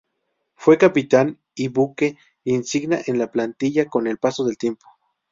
Fue capitán y buque insignia en la plantilla con el paso del tiempo.